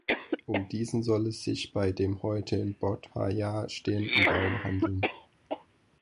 Um diesen soll es sich bei dem heute in Bodhgaya stehenden Baum handeln.